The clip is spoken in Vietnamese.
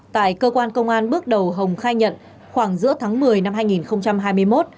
tại cơ quan công an bước đầu hồng khai nhận khoảng giữa tháng một mươi năm hai nghìn hai mươi một